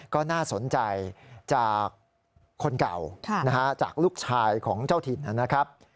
ก็น่าสนใจจากคนเก่าจากลูกชายของเจ้าถิ่นนะครับ